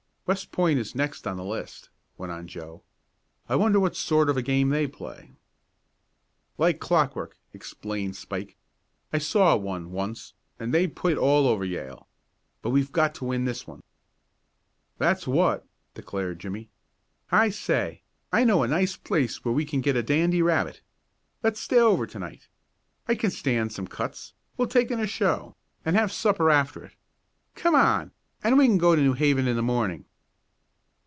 "West Point is next on the list," went on Joe. "I wonder what sort of a game they play?" "Like clockwork," explained Spike. "I saw one, once, and they put it all over Yale. But we've got to win this one." "That's what!" declared Jimmie. "I say, I know a nice place where we can get a dandy rabbit. Let's stay over to night. I can stand some cuts, we'll take in a show, and have supper after it. Come on, and we can go to New Haven in the morning."